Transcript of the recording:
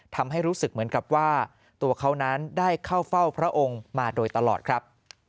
ทำให้รู้สึกเหมือนกับว่าตัวเขานั้นได้เข้าเฝ้าพระองค์มาโดยตลอดครับ